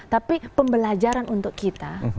tapi pembelajaran untuk kita